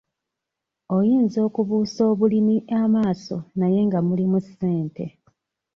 Oyinza okubuusa obulimi amaaso naye nga mulimu ssente.